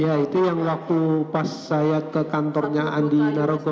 ya itu yang waktu pas saya ke kantornya andi narogo